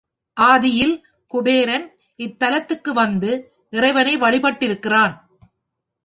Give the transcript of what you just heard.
ஆதியில் குபேரன் இத்தலத்துக்கு வந்து இறைவனை வழிபட்டிருக்கிறான்.